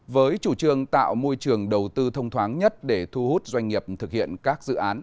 với chủ trương tạo môi trường đầu tư thông thoáng nhất để thu hút doanh nghiệp thực hiện các dự án